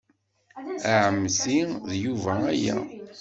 A ɛemmti, d Yuba aya.